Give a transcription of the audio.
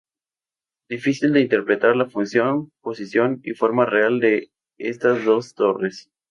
Difícil de interpretar la función, posición y forma real de estas dos torres.